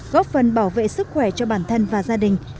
góp phần bảo vệ sức khỏe cho bản thân và gia đình